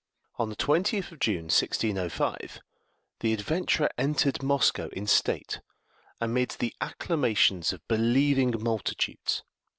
On the 20th of June, 1605, the adventurer entered Moscow in state, amid the acclamations of believing multitudes.